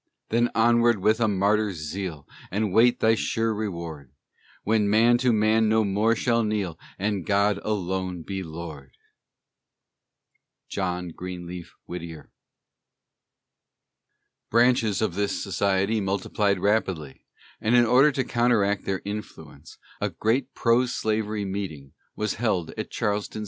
Then onward with a martyr's zeal; And wait thy sure reward When man to man no more shall kneel, And God alone be Lord! JOHN GREENLEAF WHITTIER. Branches of this society multiplied rapidly, and in order to counteract their influence, a great pro slavery meeting was held at Charleston, S.